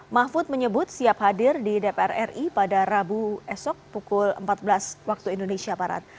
mahfud menyebut siap hadir di dpr ri pada rabu esok pukul empat belas waktu indonesia barat